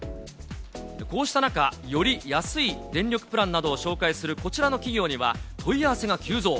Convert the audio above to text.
こうした中、より安い電力プランなどを紹介するこちらの企業には、問い合わせが急増。